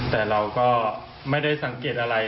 แต่เราก็ไม่ได้สังเกตอะไร